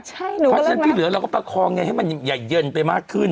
ใช่หนูก็เลิกนับความฉันที่เหลือเราก็ประคองไงให้มันใหญ่เยิ่นไปมากขึ้น